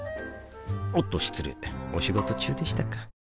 おっと失礼お仕事中でしたか